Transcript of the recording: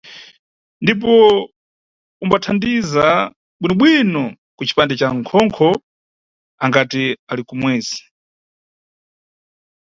Ndipo umbathandiza bwinobwino kucipande ca khonkho angati ali kumwezi.